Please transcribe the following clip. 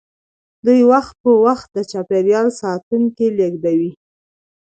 دوی وخت په وخت د چاپیریال ساتونکي لیږدوي